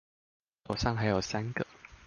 手上還有三個